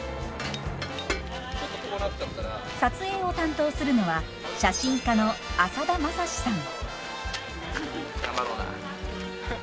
撮影を担当するのは写真家の浅田政志さん。